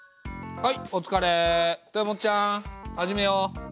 はい。